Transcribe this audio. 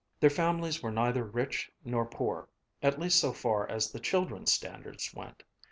Their families were neither rich nor poor (at least so far as the children's standards went).